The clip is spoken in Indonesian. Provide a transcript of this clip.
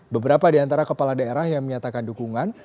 beberapa di antara kepala daerah yang menyatakan dukungan